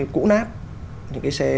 cũ nát những cái xe